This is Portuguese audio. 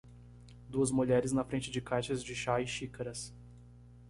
Duas mulheres na frente de caixas de chá e xícaras.